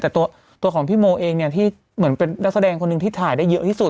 แต่ตัวของพี่โมเองเนี่ยที่เหมือนเป็นนักแสดงคนหนึ่งที่ถ่ายได้เยอะที่สุด